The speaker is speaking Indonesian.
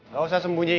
gak usah sembunyi gue